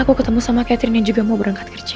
aku ketemu sama catherine yang juga mau berangkat kerja